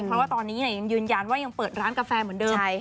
เพราะว่าตอนนี้ยังยืนยันว่ายังเปิดร้านกาแฟเหมือนเดิม